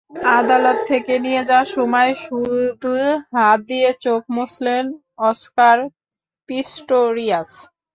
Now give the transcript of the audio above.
আদালত থেকে নিয়ে যাওয়ার সময় শুধু হাত দিয়ে চোখ মুছলেন অস্কার পিস্টোরিয়াস।